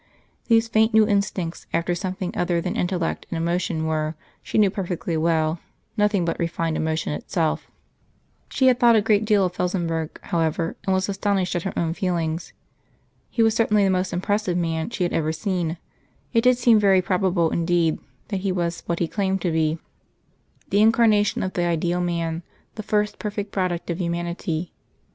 These faint new instincts after something other than intellect and emotion were, she knew perfectly well, nothing but refined emotion itself. She had thought a great deal of Felsenburgh, however, and was astonished at her own feelings. He was certainly the most impressive man she had ever seen; it did seem very probable indeed that He was what He claimed to be the Incarnation of the ideal Man the first perfect product of humanity.